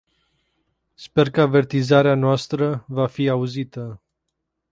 Sper că avertizarea noastră va fi auzită.